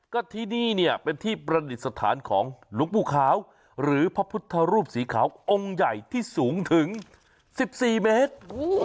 ก็ที่นี่เนี่ยเป็นที่ประดิษฐานของหลวงปู่ขาวหรือพระพุทธรูปสีขาวองค์ใหญ่ที่สูงถึง๑๔เมตร